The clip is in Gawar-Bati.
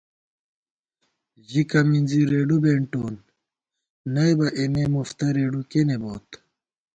ژِکہ مِنزی رېڈُو بېنٹون نئیبہ اېمے مُفتہ رېڈُو کېنےبوت